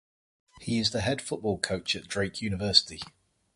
He is the head football coach at Drake University.